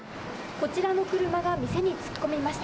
こちらの車が店に突っ込みました。